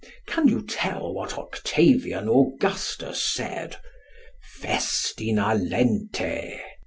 Can you tell what Octavian Augustus said? Festina lente.